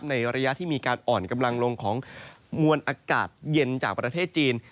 ในระยะที่มีการอ่อนกำลังลงของมวลอากาศเย็นจากประเทศจีน